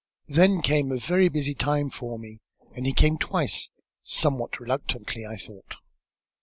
Then came a very busy time for me and he came twice, somewhat reluctantly, I thought.